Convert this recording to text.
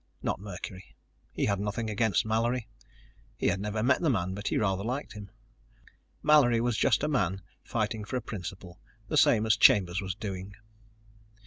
Not Mercury. He had nothing against Mallory. He had never met the man but he rather liked him. Mallory was just a man fighting for a principle, the same as Chambers was doing.